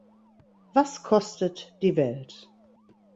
Was kostet die Welt?